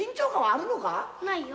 「ないよ」